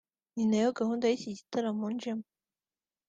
ni nayo gahunda y’iki gitaramo njemo